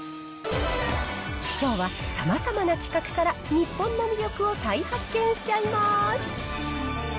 きょうは様々な企画から、日本の魅力を再発見しちゃいます。